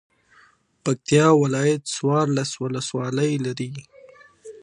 پکتيا ولايت څوارلس ولسوالۍ لري